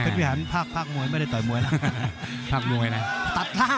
เพศพิธีหันดูภาคมวยไปได้ต่อมวยภาคมวยนะ